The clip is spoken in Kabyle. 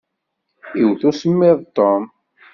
Iwwet usemmiḍ Ṭum.